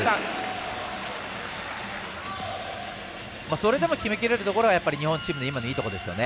それでも決めきれるのが日本チームのいいところですね。